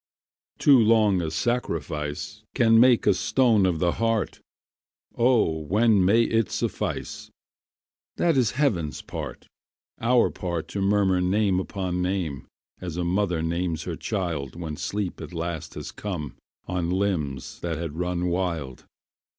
Too long a sacrifice Can make a stone of the heart. O when may it suffice? That is heaven's part, our part To murmur name upon name, As a mother names her child When sleep at last has come On limbs that had run wild.